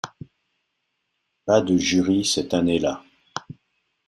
Pas de jury cette année-là.